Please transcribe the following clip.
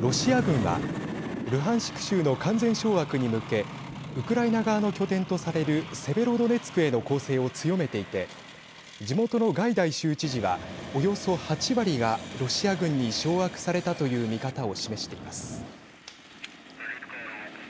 ロシア軍はルハンシク州の完全掌握に向けウクライナ側の拠点とされるセベロドネツクへの攻勢を強めていて地元のガイダイ州知事はおよそ８割がロシア軍に掌握されたという見方を示しています。